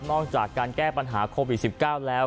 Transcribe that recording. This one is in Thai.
นอกจากการแก้ปัญหาโควิด๑๙แล้ว